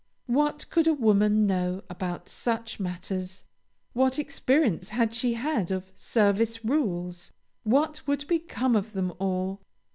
What could a woman know about such matters? What experience had she had of "service rules"? What would become of them all?